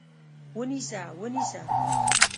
ونیسه! ونیسه!